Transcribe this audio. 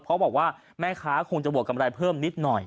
เพราะบอกว่าแม่ค้าคงจะบวกกำไรเพิ่มนิดหน่อย